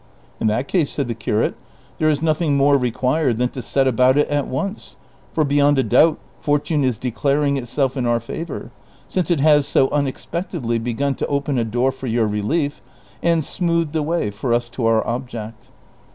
" In that case," said the curate, " there is nothing more re cpired than to set about it at once, for beyond a doubt, fortune is declaring itself in our favor, since it has so unexpectedly begun to open a door for your relief, and smoothed the way for us to our object."